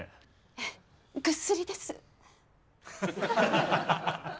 ええぐっすりです。